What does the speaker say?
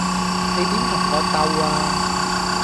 你點同我鬥呀?